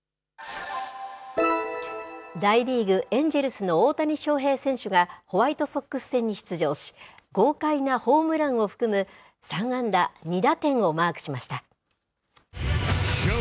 大リーグ・エンジェルスの大谷翔平選手が、ホワイトソックス戦に出場し、豪快なホームランを含む３安打２打点をマークしました。